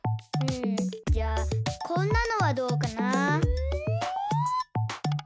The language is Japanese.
んじゃあこんなのはどうかな。